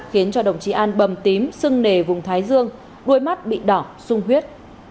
khiến đồng chí an bầm tím xưng nề vùng thái dương đôi mắt bị đỏ sung huyết